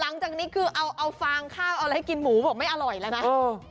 หลังจากนี้คือเอาฟางข้าวเอาอะไรให้กินหมูบอกไม่อร่อยแล้วนะ